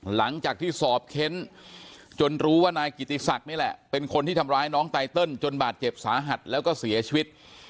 หลังจากที่สอบเค้นจนรู้ว่านายกิติศักดิ์นี่แหละเป็นคนที่ทำร้ายน้องไตเติลจนบาดเจ็บสาหัสแล้วก็เสียชีวิต